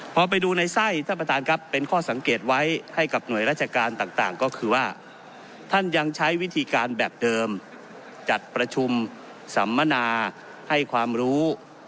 พอไปดูในไส้ท่านประธานครับเป็นข้อสังเกตไว้ให้กับหน่วยราชการต่างก็คือว่าท่านยังใช้วิธีการแบบเดิมจัดประชุมสัมมนาให้ความรู้